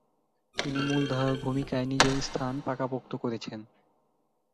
তিনি মূলধারার ভূমিকায় নিজের স্থান পাকাপোক্ত করেছেন।